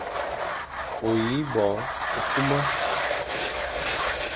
O yi bo kuma,